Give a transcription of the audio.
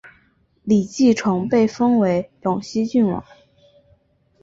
李继崇被封为陇西郡王。